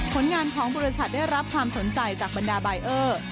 ผลงานของบริษัทได้รับความสนใจจากบรรดาบายเออร์